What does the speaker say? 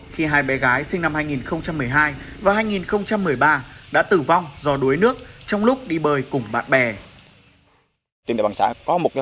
khi hai bé gái sinh năm hai nghìn một mươi hai và hai nghìn một mươi ba đã tử vong do đuối nước trong lúc đi bơi cùng bạn bè